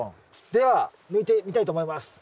では抜いてみたいと思います。